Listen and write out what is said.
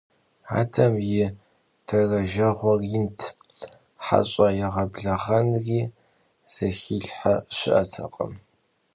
Adem yi derejjeğuer yint, heş'e yêğebleğenri zıxilhhe şı'etekhım.